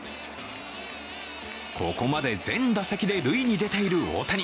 ここまで全打席で塁に出ている大谷。